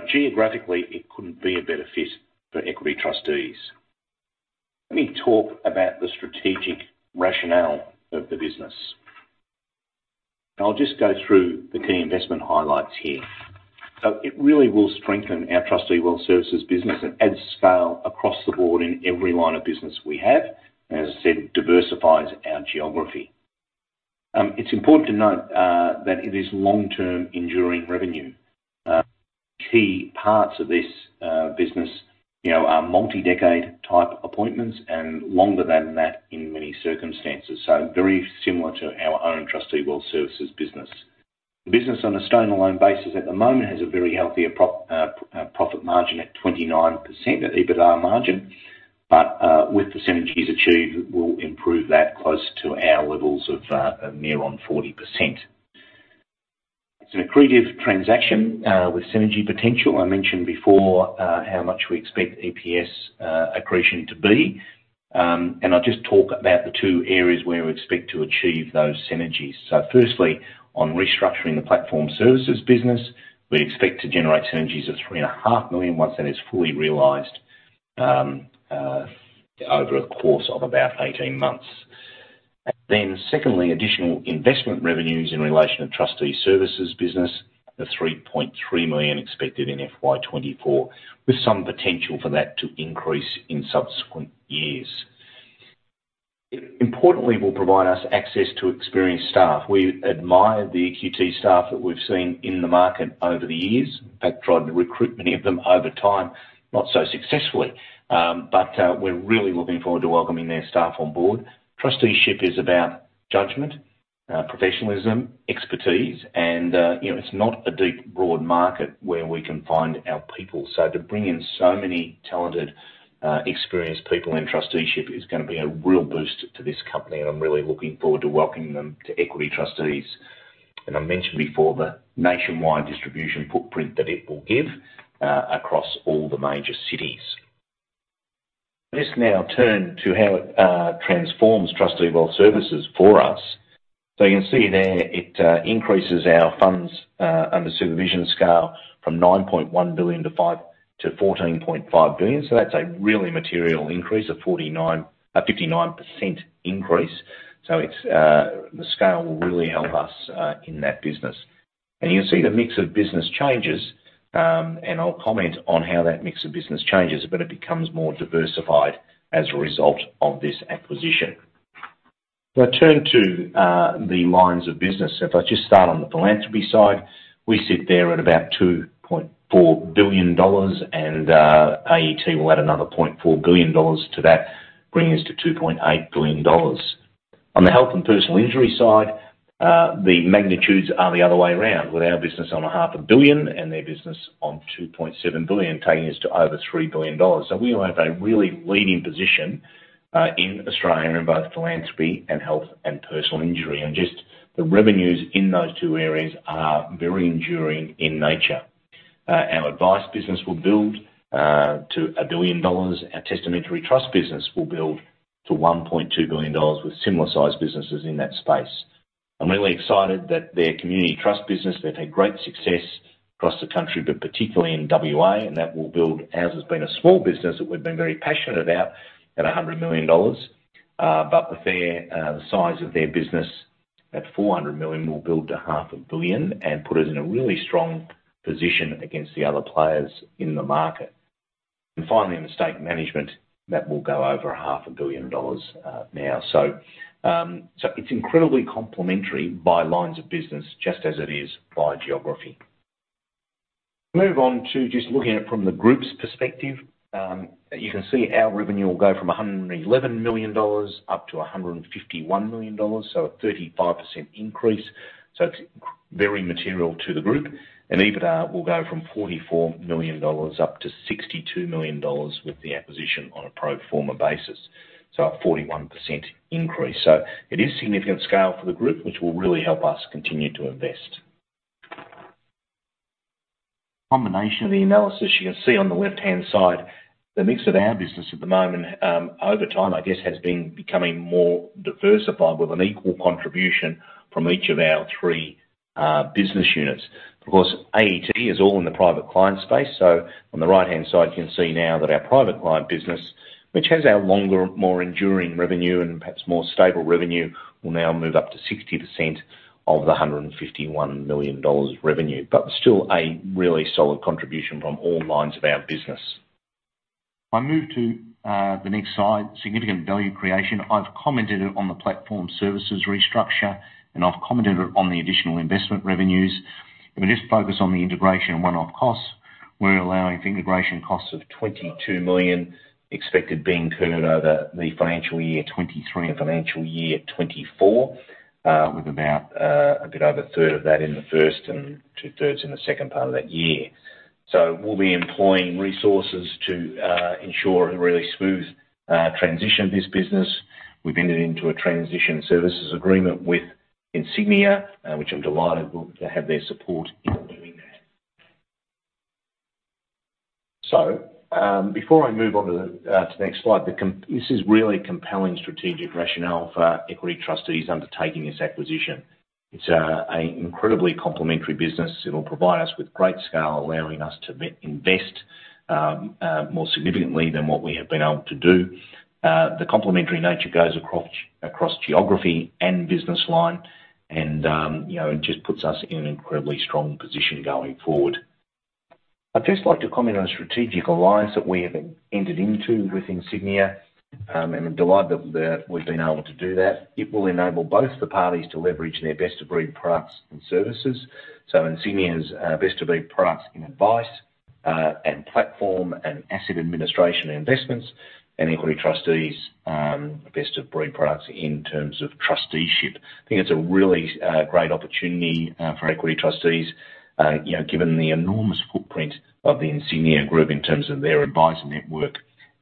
Geographically, it couldn't be a better fit for Equity Trustees. Let me talk about the strategic rationale of the business. I'll just go through the key investment highlights here. It really will strengthen our Trustee & Wealth Services business and add scale across the board in every line of business we have, and as I said, diversifies our geography. It's important to note that it is long-term enduring revenue. Key parts of this business, you know, are multi-decade type appointments and longer than that in many circumstances, so very similar to our own Trustee & Wealth Services business. The business on a standalone basis at the moment has a very healthy 29% EBITDA margin, but with the synergies achieved, we'll improve that close to our levels of near on 40%. It's an accretive transaction with synergy potential. I mentioned before how much we expect EPS accretion to be. I'll just talk about the two areas where we expect to achieve those synergies. Firstly, on restructuring the platform services business, we expect to generate synergies of 3.5 million once that is fully realized over a course of about 18 months. Secondly, additional investment revenues in relation to trustee services business, the 3.3 million expected in fiscal year 2024, with some potential for that to increase in subsequent years. Importantly, will provide us access to experienced staff. We've admired the EQT staff that we've seen in the market over the years. In fact, tried to recruit many of them over time, not so successfully. But we're really looking forward to welcoming their staff on board. Trusteeship is about judgment, professionalism, expertise, and, you know, it's not a deep broad market where we can find our people. To bring in so many talented, experienced people in trusteeship is gonna be a real boost to this company, and I'm really looking forward to welcoming them to Equity Trustees. I mentioned before the nationwide distribution footprint that it will give across all the major cities. Let's now turn to how it transforms Trustee & Wealth Services for us. You can see there, it increases our funds under supervision scale from 9.1 billion to 14.5 billion. That's a really material increase of 59% increase. It's the scale will really help us in that business. You can see the mix of business changes, and I'll comment on how that mix of business changes, but it becomes more diversified as a result of this acquisition. If I turn to the lines of business. If I just start on the philanthropy side, we sit there at about 2.4 billion dollars and, AET will add another 0.4 billion dollars to that, bringing us to 2.8 billion dollars. On the health and personal injury side, the magnitudes are the other way around, with our business on half a billion and their business on 2.7 billion, taking us to over 3 billion dollars. We will have a really leading position in Australia in both philanthropy and health and personal injury. Just the revenues in those two areas are very enduring in nature. Our advice business will build to 1 billion dollars. Our testamentary trust business will build to 1.2 billion dollars with similar-sized businesses in that space. I'm really excited that their community trust business, they've had great success across the country, but particularly in WA, and that will build. Ours has been a small business that we've been very passionate about, at 100 million dollars. But the size of their business at 400 million will build to AUD half a billion and put us in a really strong position against the other players in the market. Finally, in estate management, that will go over a half a billion dollars now. It's incredibly complementary by lines of business, just as it is by geography. Move on to just looking at it from the group's perspective. You can see our revenue will go from 111 million dollars up to 151 million dollars, so a 35% increase. It's very material to the group. EBITDA will go from 44 million dollars up to 62 million dollars with the acquisition on a pro forma basis. A 41% increase. It is significant scale for the group, which will really help us continue to invest. Combination of the analysis, you can see on the left-hand side the mix of our business at the moment, over time, I guess, has been becoming more diversified with an equal contribution from each of our three business units. Of course, AET is all in the private client space, so on the right-hand side, you can see now that our private client business, which has our longer, more enduring revenue and perhaps more stable revenue, will now move up to 60% of the 151 million dollars revenue. Still a really solid contribution from all lines of our business. If I move to the next slide, significant value creation. I've commented on the platform services restructure, and I've commented on the additional investment revenues. If we just focus on the integration and one-off costs, we're allowing for integration costs of 22 million expected being incurred over the financial year 2023 and financial year 2024, with about a bit over a third of that in the first and two-thirds in the second part of that year. We'll be employing resources to ensure a really smooth transition of this business. We've entered into a transition services agreement with Insignia, which I'm delighted we'll have their support in doing that. Before I move on to the next slide, this is really compelling strategic rationale for Equity Trustees undertaking this acquisition. It's an incredibly complementary business. It'll provide us with great scale, allowing us to invest more significantly than what we have been able to do. The complementary nature goes across geography and business line and, you know, it just puts us in an incredibly strong position going forward. I'd just like to comment on a strategic alliance that we have entered into with Insignia, and I'm delighted that we've been able to do that. It will enable both the parties to leverage their best-of-breed products and services. Insignia's best-of-breed products in advice, and platform, and asset administration and investments, and Equity Trustees' best-of-breed products in terms of trusteeship. I think it's a really great opportunity for Equity Trustees, you know, given the enormous footprint of the Insignia Group in terms of their advisor network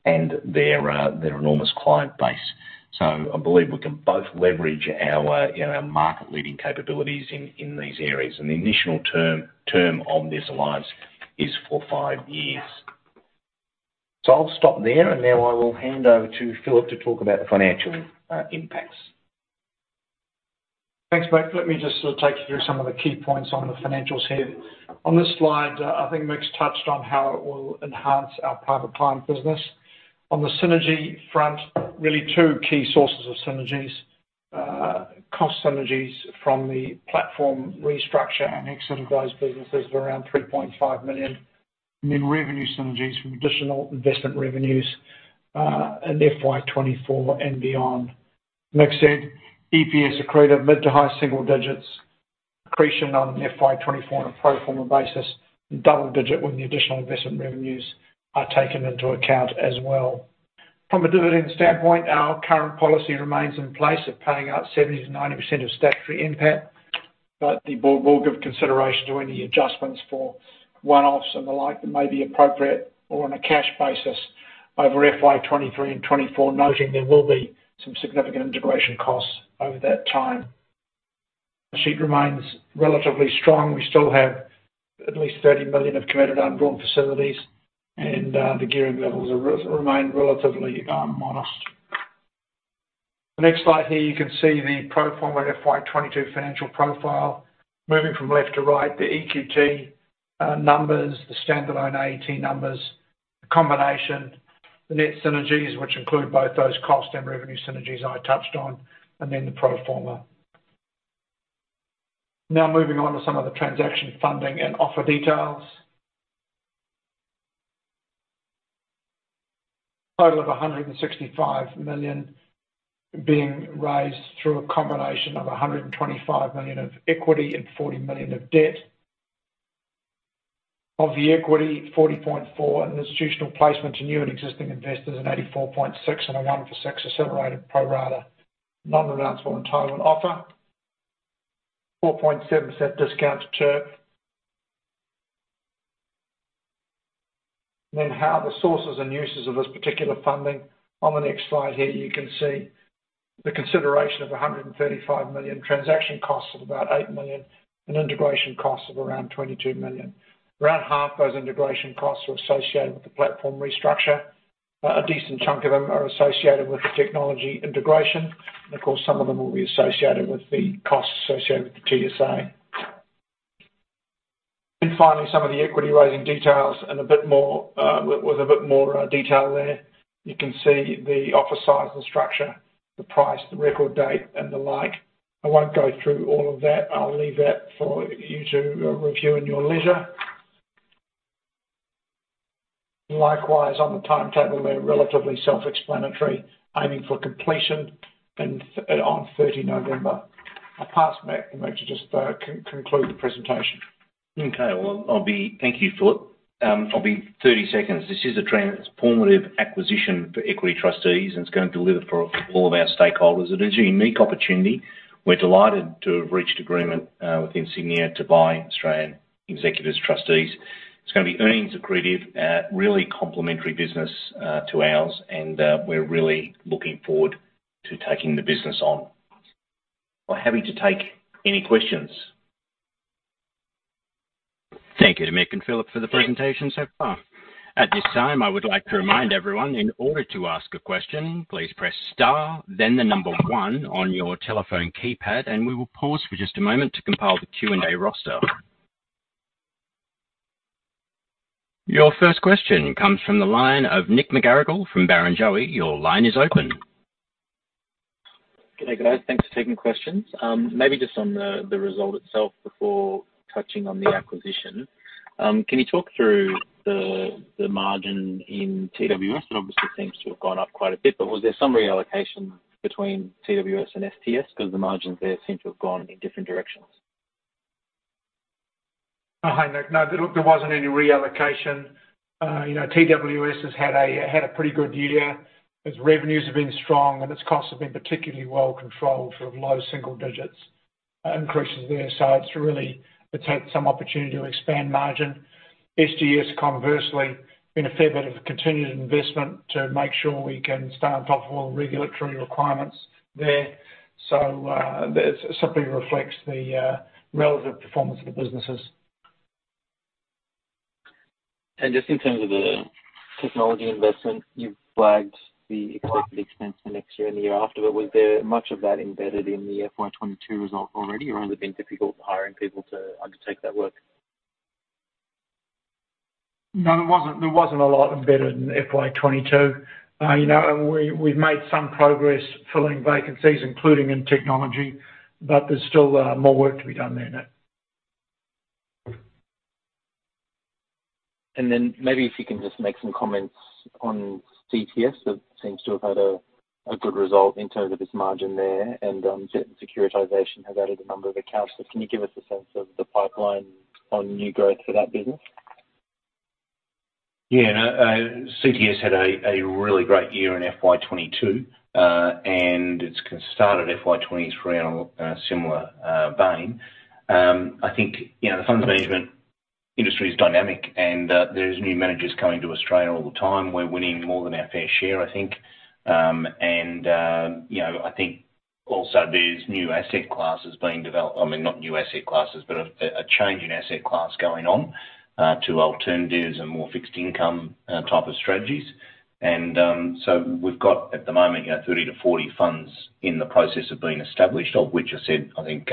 and their enormous client base. I believe we can both leverage our, you know, market-leading capabilities in these areas. The initial term on this alliance is for five years. I'll stop there, and now I will hand over to Philip to talk about the financial impacts. Thanks, Mick. Let me just sort of take you through some of the key points on the financials here. On this slide, I think Mick's touched on how it will enhance our private client business. On the synergy front, really two key sources of synergies. Cost synergies from the platform restructure and exit of those businesses of around 3.5 million. Revenue synergies from additional investment revenues in fiscal year 2024 and beyond. Mick said EPS accretive mid to high-single digits. Accretion on fiscal year 2024 on a pro forma basis, double-digit when the additional investment revenues are taken into account as well. From a dividend standpoint, our current policy remains in place of paying out 70% to 90% of statutory NPAT, but the board will give consideration to any adjustments for one-offs and the like that may be appropriate or on a cash basis over fiscal year 2023 and 2024, noting there will be some significant integration costs over that time. The balance sheet remains relatively strong. We still have at least 30 million of committed undrawn facilities, and the gearing levels remain relatively modest. The next slide here you can see the pro forma fiscal year 2022 financial profile. Moving from left to right, the EQT numbers, the standalone AET numbers, the combination, the net synergies, which include both those cost and revenue synergies I touched on, and then the pro forma. Now moving on to some of the transaction funding and offer details. Total of 165 million being raised through a combination of 125 million of equity and 40 million of debt. Of the equity, 40.4 million in institutional placement to new and existing investors and 84.6 million in a one for six accelerated pro rata non-renounceable entitlement offer. 4.7% discount to TERP. How the sources and uses of this particular funding. On the next slide here, you can see the consideration of 135 million, transaction costs of about 8 million, and integration costs of around 22 million. Around half those integration costs were associated with the platform restructure. A decent chunk of them are associated with the technology integration. Of course, some of them will be associated with the costs associated with the TSA. Finally, some of the equity raising details and a bit more with a bit more detail there. You can see the offer size and structure, the price, the record date, and the like. I won't go through all of that. I'll leave that for you to review in your leisure. Likewise, on the timetable there, relatively self-explanatory, aiming for completion on 30 November 2022. I'll pass back to Mick to just conclude the presentation. Thank you, Philip. I'll be thirty seconds. This is a transformative acquisition for Equity Trustees, and it's going to deliver for all of our stakeholders. It is a unique opportunity. We're delighted to have reached agreement with Insignia to buy Australian Executor Trustees. It's gonna be earnings accretive, really complementary business to ours, and we're really looking forward to taking the business on. We're happy to take any questions. Thank you to Mick and Philip for the presentation so far. At this time, I would like to remind everyone, in order to ask a question, please press star, then the number one on your telephone keypad, and we will pause for just a moment to compile the Q&A roster. Your first question comes from the line of Nick McGarrigle from Barrenjoey. Your line is open. Good day, guys. Thanks for taking the questions. Maybe just on the result itself before touching on the acquisition. Can you talk through the margin in TWS? It obviously seems to have gone up quite a bit, but was there some reallocation between TWS and STS, cause the margins there seem to have gone in different directions? Oh, hi, Nick. No, there wasn't any reallocation. You know, TWS has had a pretty good year. Its revenues have been strong, and its costs have been particularly well controlled for low single digits increases there. It's really took some opportunity to expand margin. STS, conversely, been a fair bit of a continued investment to make sure we can stay on top of all the regulatory requirements there. That simply reflects the relative performance of the businesses. Just in terms of the technology investment, you've flagged the expected expense for next year and the year after. Was there much of that embedded in the fiscal year 2022 result already, or has it been difficult hiring people to undertake that work? No, there wasn't a lot embedded in fiscal year 2022. You know, we've made some progress filling vacancies, including in technology, but there's still more work to be done there, Nick. Maybe if you can just make some comments on CTS, that seems to have had a good result in terms of its margin there. Certain securitization has added a number of accounts. Can you give us a sense of the pipeline on new growth for that business? Yeah. No, CTS had a really great year in fiscal year 2022. It's started fiscal year 2023 on a similar vein. I think, you know, the funds management industry is dynamic, and there's new managers coming to Australia all the time. We're winning more than our fair share, I think. You know, I think also there's new asset classes being developed. I mean, not new asset classes, but a change in asset class going on to alternatives and more fixed income type of strategies. We've got at the moment, you know, 30 to 40 funds in the process of being established, of which I said, I think,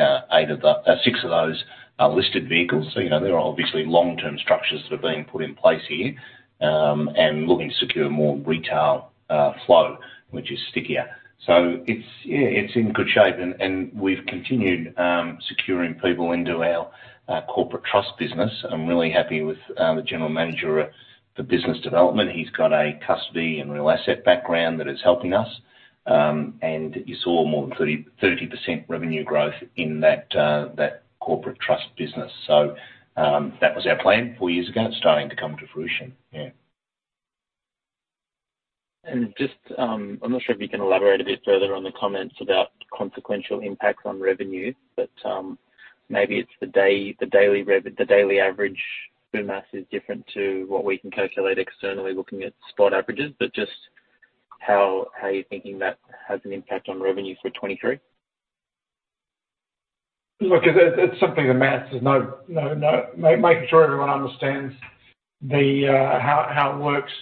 six of those are listed vehicles. You know, there are obviously long-term structures that are being put in place here, and looking to secure more retail flow, which is stickier. It's, yeah, it's in good shape and we've continued securing people into our corporate trust business. I'm really happy with the general manager for business development. He's got a custody and real asset background that is helping us. You saw more than 30% revenue growth in that corporate trust business. That was our plan four years ago, and it's starting to come to fruition. Yeah. I'm not sure if you can elaborate a bit further on the comments about consequential impacts on revenue, but maybe it's the daily average FUMAS is different to what we can calculate externally looking at spot averages. But just how are you thinking that has an impact on revenue for 2023? Look, it's something that matters. Making sure everyone understands how it works.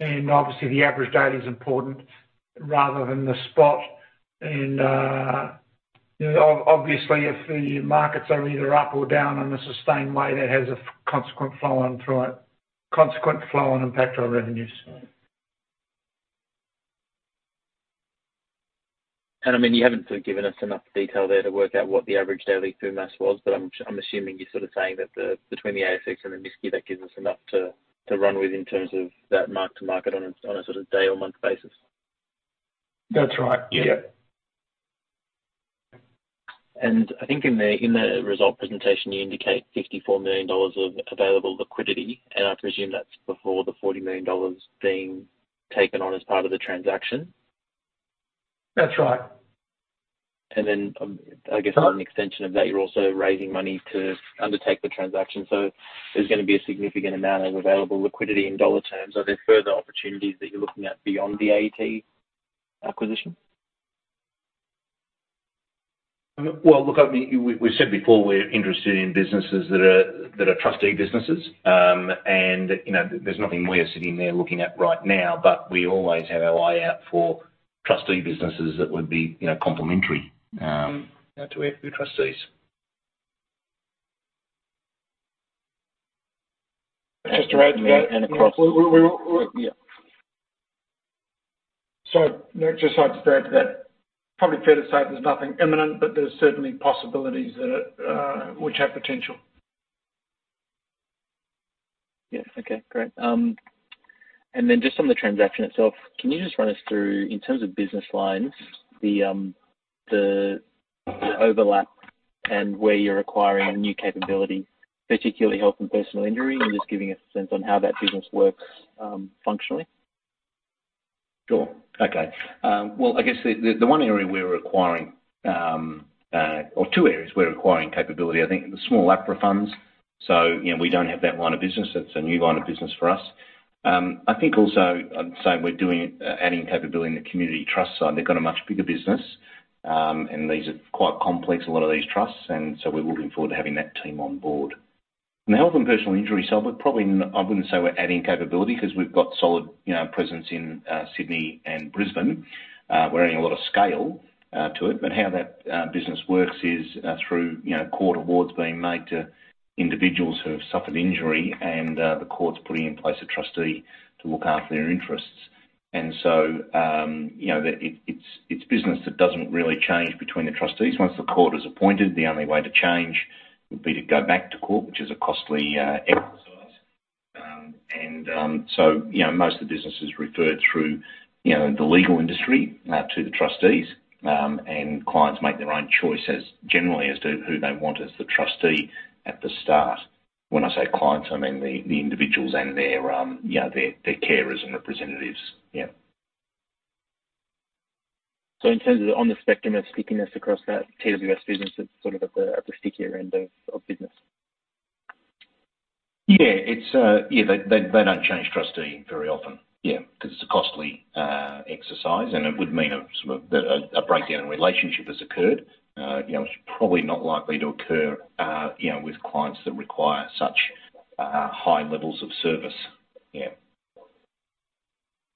Obviously the average daily is important rather than the spot. You know, obviously if the markets are either up or down in a sustained way, that has a consequent flow on through it, consequent flow and impact on revenues. I mean, you haven't given us enough detail there to work out what the average daily FUMAS was, but I'm assuming you're sort of saying that the, between the ASX and the MSCI, that gives us enough to run with in terms of that mark to market on a, on a sort of day or month basis. That's right. Yeah. I think in the result presentation, you indicate 54 million dollars of available liquidity, and I presume that's before the 40 million dollars being taken on as part of the transaction. That's right. I guess as an extension of that, you're also raising money to undertake the transaction. There's gonna be a significant amount of available liquidity in dollar terms. Are there further opportunities that you're looking at beyond the AET acquisition? Well, look, I mean, we've said before, we're interested in businesses that are trustee businesses. You know, there's nothing we're sitting there looking at right now, but we always have our eye out for trustee businesses that would be, you know, complementary, you know, to our few trustees. Just to add to that... And across... We... Yeah. Nic, just like to add to that. Probably fair to say there's nothing imminent, but there's certainly possibilities that are, which have potential. Yes. Okay, great. Just on the transaction itself, can you just run us through, in terms of business lines, the overlap and where you're acquiring new capability, particularly health and personal injury, and just giving a sense on how that business works, functionally? Sure. Okay. Well, I guess the one area we're acquiring, or two areas we're acquiring capability, I think the Small APRA Funds. You know, we don't have that line of business. That's a new line of business for us. I think also, we're adding capability in the community trust side. They've got a much bigger business, and these are quite complex, a lot of these trusts, and so we're looking forward to having that team on board. In the health and personal injury side, I wouldn't say we're adding capability cause we've got solid, you know, presence in Sydney and Brisbane. We're adding a lot of scale to it. How that business works is through you know court awards being made to individuals who have suffered injury and the courts putting in place a trustee to look after their interests. It's business that doesn't really change between the trustees. Once the court is appointed, the only way to change would be to go back to court, which is a costly exercise. Most of the business is referred through you know the legal industry to the trustees and clients make their own choice as generally as to who they want as the trustee at the start. When I say clients, I mean the individuals and their carers and representatives. In terms of on the spectrum of stickiness across that TWS business, it's sort of at the stickier end of business. Yeah. It's yeah, they don't change trustee very often. Yeah. Cause it's a costly exercise, and it would mean sort of a breakdown in relationship has occurred, you know, which is probably not likely to occur, you know, with clients that require such high levels of service. Yeah.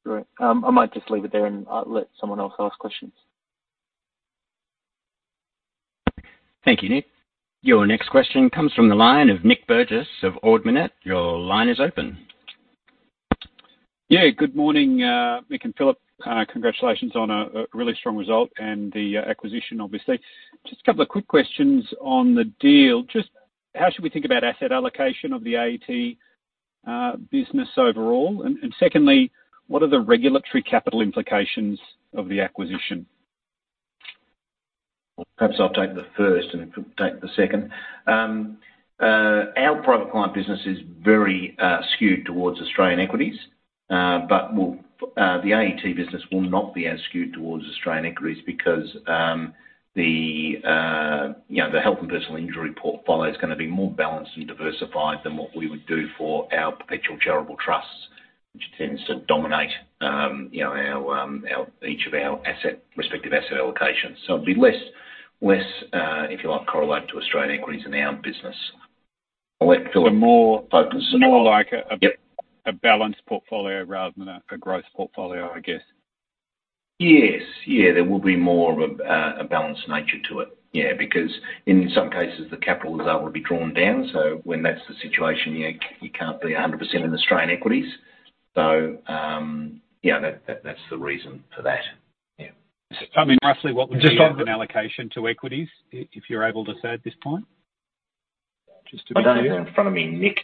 Great. I might just leave it there and let someone else ask questions. Thank you, Nick. Your next question comes from the line of Nic Burgess of Ord Minnett. Your line is open. Yeah. Good morning, Mick and Philip. Congratulations on a really strong result and the acquisition obviously. Just a couple of quick questions on the deal. Just how should we think about asset allocation of the AET business overall? And secondly, what are the regulatory capital implications of the acquisition? Perhaps I'll take the first and take the second. Our private client business is very skewed towards Australian equities. The AET business will not be as skewed towards Australian equities because, you know, the health and personal injury portfolio is gonna be more balanced and diversified than what we would do for our perpetual charitable trusts, which tends to dominate, you know, our respective asset allocations. It'll be less, if you like, correlate to Australian equities in our business. I'll let Philip focus. So more... Yep. More like a... Yep. A balanced portfolio rather than a growth portfolio, I guess. Yes. Yeah, there will be more of a balanced nature to it. Yeah, because in some cases, the capital is able to be drawn down, so when that's the situation, you can't be 100% in Australian equities. So, yeah, that's the reason for that. Yeah. I mean, roughly what would be... Just on... An allocation to equities, if you're able to say at this point. Just to be clear.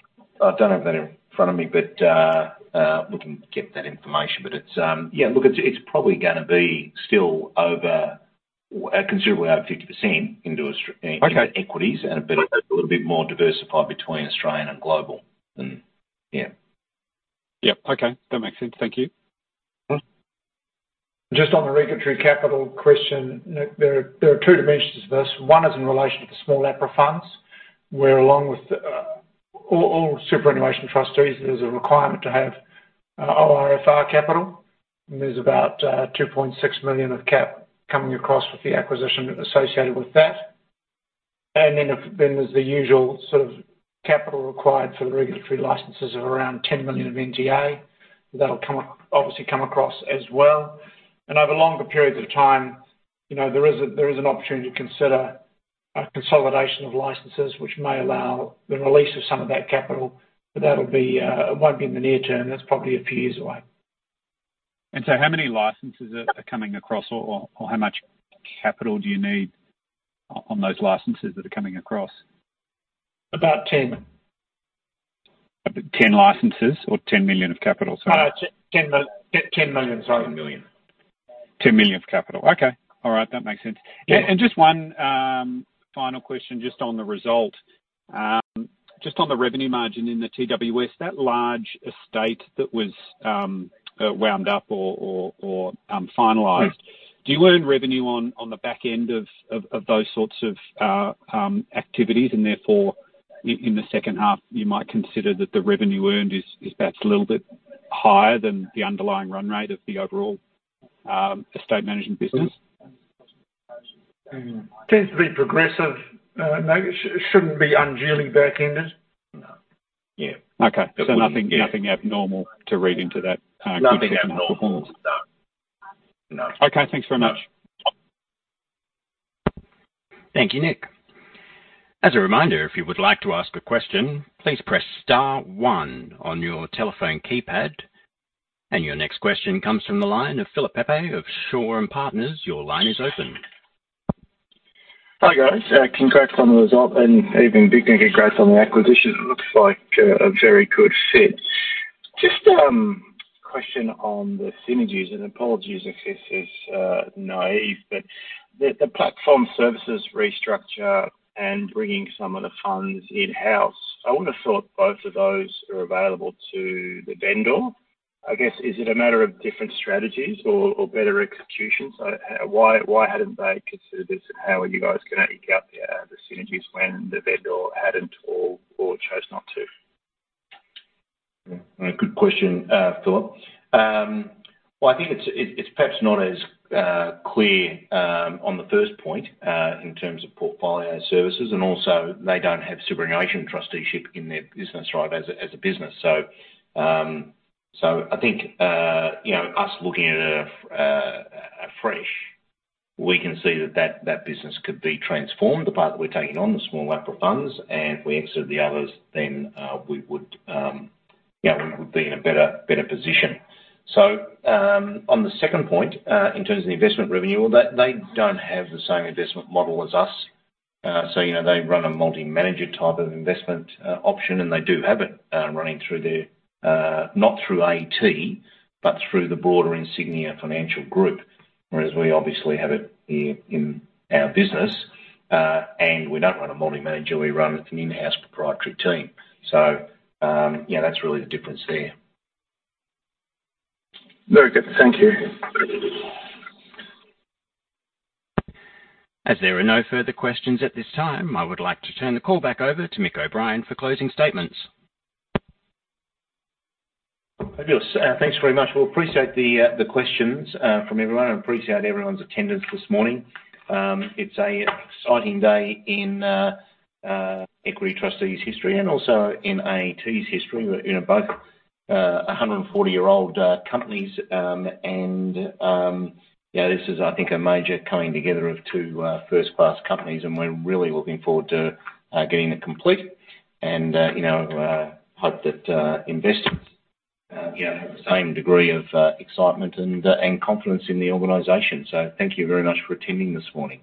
I don't have that in front of me, Nic. We can get that information. It's, yeah, look, it's probably gonna be still considerably over 50% into... Okay. Into equities and a little bit more diversified between Australian and global, yeah. Yep. Okay. That makes sense. Thank you. Mm-hmm. Just on the regulatory capital question, there are two dimensions to this. One is in relation to Small APRA Funds, where along with all superannuation trustees, there's a requirement to have ORFR capital, and there's about 2.6 million of cap coming across with the acquisition associated with that. There's the usual sort of capital required for the regulatory licenses of around 10 million of NTA. That'll obviously come across as well. Over longer periods of time, you know, there is an opportunity to consider a consolidation of licenses, which may allow the release of some of that capital. That'll be. It won't be in the near term. That's probably a few years away. How many licenses are coming across or how much capital do you need on those licenses that are coming across? About 10million. 10 licenses or 10 million of capital, sorry? 10 million, sorry. 10 million. 10 million of capital. Okay. All right. That makes sense. Yeah. Just one final question just on the result. Just on the revenue margin in the TWS, that large estate that was wound up or finalized. Yeah. Do you earn revenue on the back end of those sorts of activities, and therefore in the second half, you might consider that the revenue earned is perhaps a little bit higher than the underlying run rate of the overall estate management business? Tends to be progressive. No, it shouldn't be unduly backended. No. Yeah. Okay. Yeah. Nothing abnormal to read into that. Nothing abnormal. Good second half performance. No. No. Okay. Thanks very much. No. Thank you, Nic. As a reminder, if you would like to ask a question, please press star one on your telephone keypad. Your next question comes from the line of Philip Pepe of Shaw and Partners; your line is open. Hi, guys. Congrats on the result and even big congrats on the acquisition. It looks like a very good fit. Just question on the synergies, and apologies if this is naive. The platform services restructure and bringing some of the funds in-house, I would have thought both of those are available to the vendor. I guess, is it a matter of different strategies or better execution? Why hadn't they considered this and how are you guys gonna eke out the synergies when the vendor hadn't or chose not to? Good question, Philip. Well, I think it's perhaps not as clear on the first point, in terms of portfolio services, and also, they don't have superannuation trusteeship in their business, right, as a business. I think you know, us looking at it afresh, we can see that business could be transformed. The part that we're taking on, the Small APRA Funds, and if we exit the others, then we would you know, we would be in a better position. On the second point, in terms of the investment revenue, well, they don't have the same investment model as us. You know, they run a multi-manager type of investment option, and they do have it running through their, not through AET, but through the broader Insignia Financial Group. Whereas we obviously have it here in our business, and we don't run a multi-manager, we run an in-house proprietary team. Yeah, that's really the difference there. Very good. Thank you. As there are no further questions at this time, I would like to turn the call back over to Mick O'Brien for closing statements. Fabulous. Thanks very much. Well, appreciate the questions from everyone, and appreciate everyone's attendance this morning. It's an exciting day in Equity Trustees' history and also in AET's history. We're, you know, both a 140-year-old companies, and yeah, this is, I think, a major coming together of two first-class companies, and we're really looking forward to getting it complete and, you know, hope that investors, you know, have the same degree of excitement and confidence in the organization. Thank you very much for attending this morning.